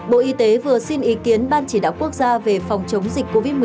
bộ y tế vừa xin ý kiến ban chỉ đạo quốc gia về phòng chống dịch covid một mươi chín